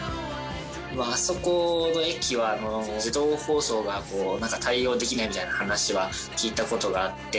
あそこの駅はあの自動放送がこうなんか対応できないみたいな話は聞いた事があって。